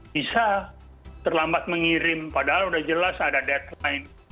bisa terlambat mengirim padahal sudah jelas ada deadline